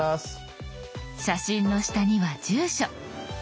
写真の下には住所。